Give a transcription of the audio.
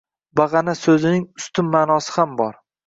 “Bag‘ana” so‘zining “ustun” ma’nosi ham bor.